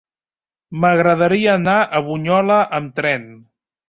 M'agradaria anar a Bunyola amb tren.